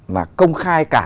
và công khai cả